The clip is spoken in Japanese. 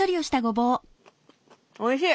おいしい！